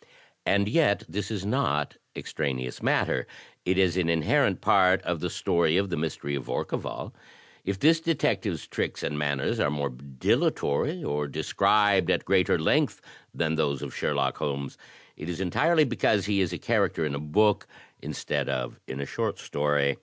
t 11 And yet this is not extraneous matter, it is an inherent part of the story of "The Mystery of Orcival.'' If this detective's tricks and manners are more dilatory, or described at greater length than those of Sherlock Holmes, it is entirely because he is a character in a book instead of in a short story.